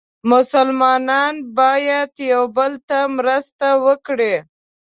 مسلمانان باید یو بل ته مرسته وکړي.